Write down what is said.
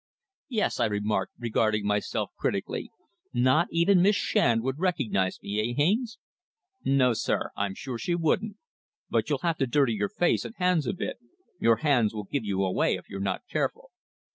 "Yes," I remarked, regarding myself critically. "Not even Miss Shand would recognise me eh, Haines?" "No, sir. I'm sure she wouldn't. But you'll have to dirty your face and hands a bit. Your hands will give you away if you're not careful."